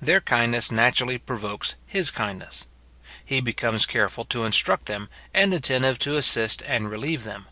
Their kindness naturally provokes his kindness. He becomes careful to instruct them, and attentive to assist and relieve them.